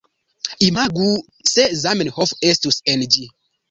Imagu se Zamenhof estus en ĝi